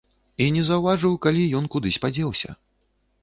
І не заўважыў, калі ён кудысь падзеўся.